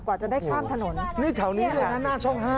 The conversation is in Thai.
กว่าจะได้ข้ามถนนนี่แถวนี้เลยนะหน้าช่อง๕